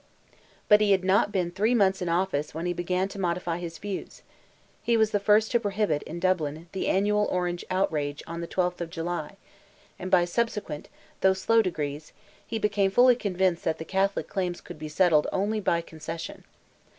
But he had not been three months in office when he began to modify his views; he was the first to prohibit, in Dublin, the annual Orange outrage on the 12th of July, and by subsequent, though slow degrees, he became fully convinced that the Catholic claims could be settled only by Concession.